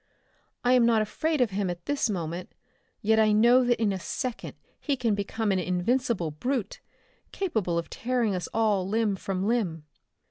"I am not afraid of him at this moment, yet I know that in a second he can become an invincible brute, capable of tearing us all limb from limb."